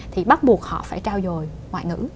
thì bắt buộc họ phải trao dồi ngoại ngữ